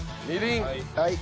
はい。